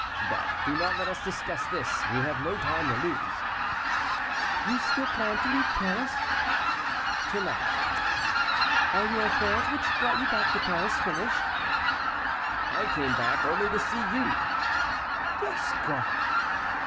But do not let us discuss this; we have no time to lose." "You still plan to leave Paris?" "To night." "Are your affairs which brought you back to Paris finished?" "I came back only to see you." "Gascon!"